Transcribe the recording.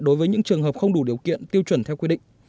đối với những trường hợp không đủ điều kiện tiêu chuẩn theo quy định